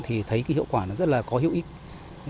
thì thấy cái hiệu quả nó rất là có hữu ích